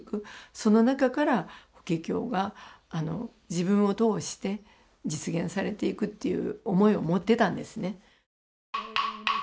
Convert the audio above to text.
その中から「法華経」が自分を通して実現されていくっていう思いを持ってたんですね。